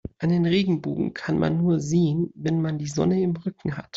Einen Regenbogen kann man nur sehen, wenn man die Sonne im Rücken hat.